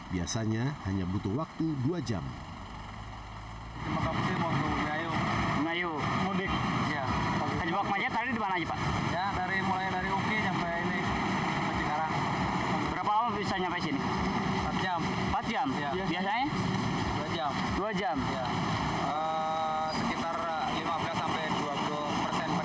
biasanya keadaan di gerbang tol cikopo tidak terlalu lama